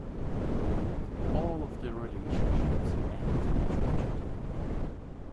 All of the relationships end in tragedy.